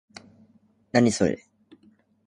何、それ？